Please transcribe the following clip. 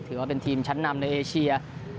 ถือว่าเป็นทีมชั้นนำในเอเชีย